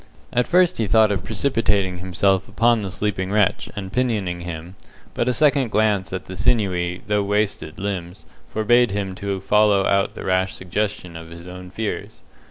At first he thought of precipitating himself upon the sleeping wretch and pinioning him, but a second glance at the sinewy, though wasted, limbs forbade him to follow out the rash suggestion of his own fears.